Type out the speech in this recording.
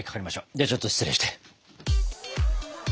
ではちょっと失礼して。